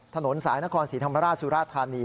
ถนนสายนครศรีธรรมราชสุราธานี